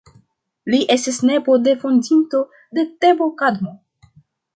Li estis nepo de fondinto de Tebo Kadmo.